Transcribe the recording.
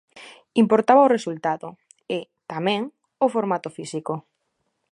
Importaba o resultado e, tamén, o formato físico.